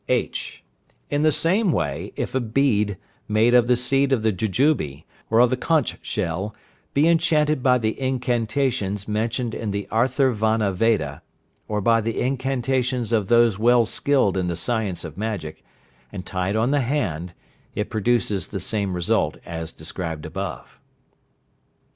(h). In the same way, if a bead, made of the seed of the jujube, or of the conch shell, be enchanted by the incantations mentioned in the Atharvana Veda, or by the incantations of those well skilled in the science of magic, and tied on the hand, it produces the same result as described above.